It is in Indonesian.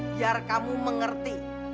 biar kamu mengerti